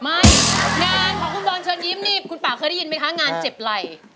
งานของคุณบอลเชิญยิ้มนี่คุณป่าเคยได้ยินไหมคะงานเจ็บไหล่